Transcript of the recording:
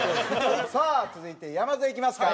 さあ続いて山添いきますか？